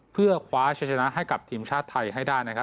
เพื่อคว้าใช้ชนะให้กับทีมชาติไทยให้ได้นะครับ